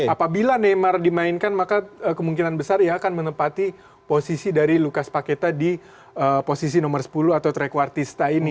apabila neymar dimainkan maka kemungkinan besar dia akan menempati posisi dari lucas paqueta di posisi nomor sepuluh atau trekuartista ini